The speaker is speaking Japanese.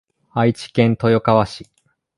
愛知県豊川市